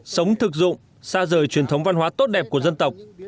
sống thực dụng xa rời truyền thống văn hóa tốt đẹp của dân tộc